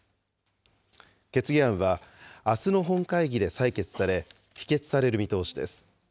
決議案はあすの本会議で採決され、否決される見通しです。